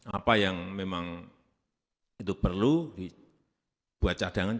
apa yang memang itu perlu dibuat cadangan